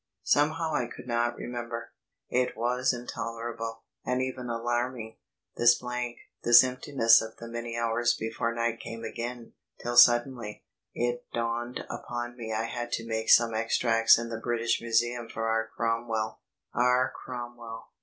Somehow I could not remember. It was intolerable, and even alarming, this blank, this emptiness of the many hours before night came again, till suddenly, it dawned upon me I had to make some extracts in the British Museum for our "Cromwell." Our Cromwell.